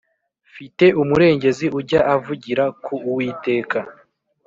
fite umurengezi ujya avugira ku uwiteka